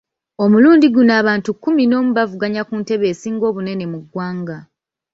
Omulundi guno abantu kkumi n'omu bavuganya ku ntebe esinga obunene mu ggwanga.